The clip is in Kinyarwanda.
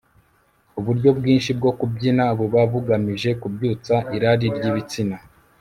uburyo bwinshi bwo kubyina buba bugamije kubyutsa irari ry ibitsina